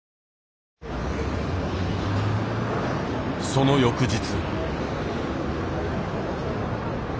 その翌日。